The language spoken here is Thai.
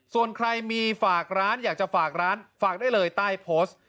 ส่วนใครมีฝากร้านอยากจะฝากร้านฝากได้เลยใต้โพสต์